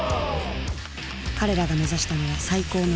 彼らが目指したのは最高のマシン。